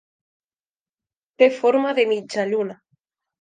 Té forma de mitja lluna.